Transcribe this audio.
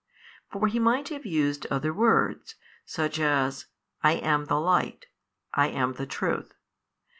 For He might have used other words, such as, I am the Light, I am the Truth.